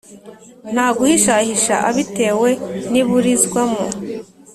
ntaguhishahisha abitewe n' iburizwamo